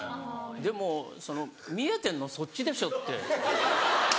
でも見えてんのそっちでしょって。